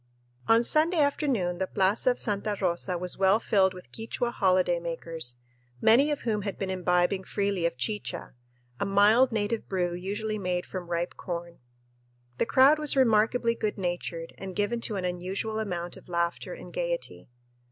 On Sunday afternoon the plaza of Santa Rosa was well filled with Quichua holiday makers, many of whom had been imbibing freely of chicha, a mild native brew usually made from ripe corn. The crowd was remarkably good natured and given to an unusual amount of laughter and gayety.